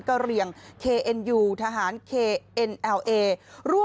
กลุ่มน้ำเบิร์ดเข้ามาร้านแล้ว